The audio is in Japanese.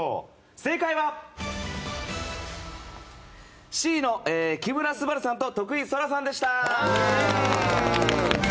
正解はＣの木村昴さんと徳井青空さんでした。